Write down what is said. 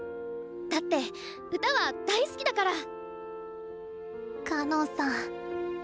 だって歌は大好きだから！かのんさん。